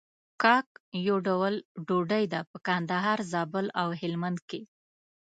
کاک يو ډول ډوډۍ ده په کندهار، زابل او هلمند کې.